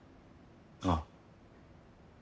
ああ。